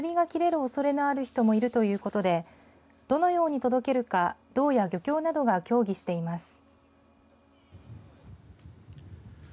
おそれがある人もいるということでどのように届けるか道や漁協などが協議しています。